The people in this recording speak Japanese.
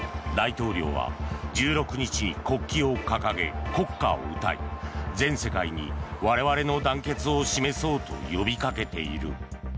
大統領は１６日に国旗を掲げ国歌を歌い全世界に我々の団結を示そうと呼びかけている。